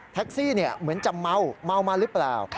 เหมือนจะเมาเมามาหรือเปล่า